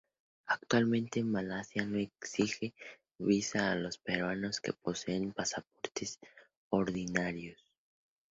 Actualmente, Malasia no exige visa a los peruanos que poseen pasaportes ordinarios.